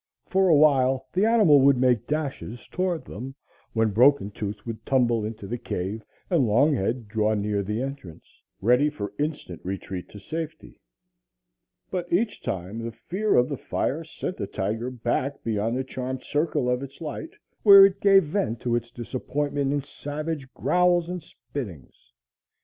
For a while the animal would make dashes toward them, when Broken Tooth would tumble into the cave and Longhead draw near the entrance, ready for instant retreat to safety; but each time the fear of the fire sent the tiger back beyond the charmed circle of its light, where it gave vent to its disappointment in savage growls and spittings.